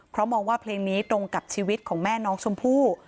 เพราะมองว่าเพลงนี้ตรงกับชีวิตของแม่น้องชมพู่